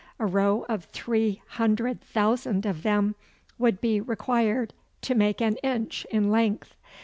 A row of three hundred thousand of them would be required to make an inch in length!